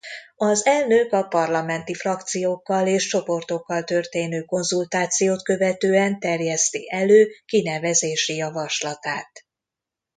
Az elnök a parlamenti frakciókkal és csoportokkal történő konzultációt követően terjeszti elő kinevezési javaslatát.